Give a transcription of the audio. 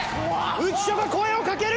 浮所が声をかける！